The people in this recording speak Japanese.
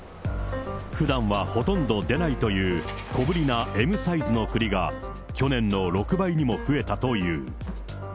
ふだんはほとんど出ないという、小ぶりなＭサイズの栗が、去年の６倍にも増えたという。